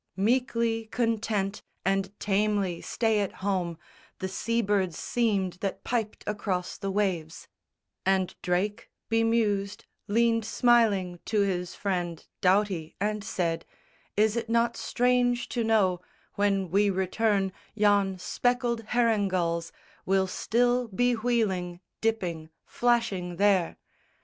Meekly content and tamely stay at home The sea birds seemed that piped across the waves; And Drake, be mused, leaned smiling to his friend Doughty and said, "Is it not strange to know When we return yon speckled herring gulls Will still be wheeling, dipping, flashing there?